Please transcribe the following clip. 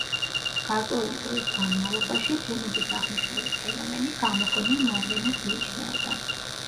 გარკვეული დროის განმავლობაში ბუნების აღნიშნული ფენომენი გამოგონილ მოვლენად მიიჩნეოდა.